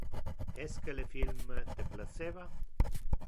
Esque le film te placeva.